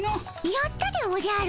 やったでおじゃる。